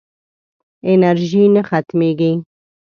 انرژي نه ختمېږي.